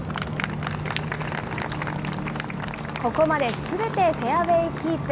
ここまですべてフェアウェイキープ。